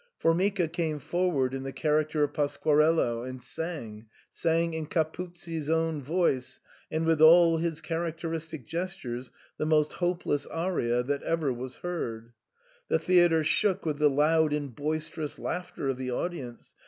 Formica came forward in the character of Pasqua rello, and sang — sang in Capuzzi's own voice, and with all his characteristic gestures, the most hopeless aria that ever was heard. The theatre shook with the loud and boisterous laughter of the audience.